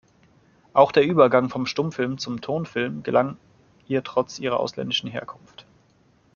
Auch der Übergang vom Stummfilm zum Tonfilm gelang ihr trotz ihrer ausländischen Herkunft.